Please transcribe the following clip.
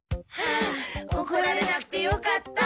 あおこられなくてよかった。